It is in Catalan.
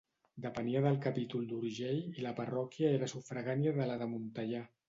Depenia del capítol d’Urgell i la parròquia era sufragània de la de Montellà.